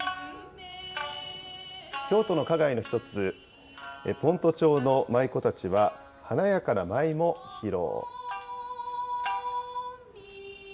京都の花街の一つ、先斗町の舞妓たちは、華やかな舞も披露。